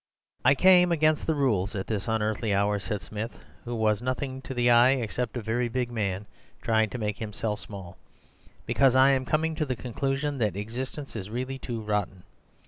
"'I came, against the rules, at this unearthly hour,' said Smith, who was nothing to the eye except a very big man trying to make himself small, 'because I am coming to the conclusion that existence is really too rotten.